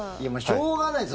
しょうがないです。